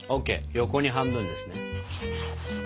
横に半分ですね。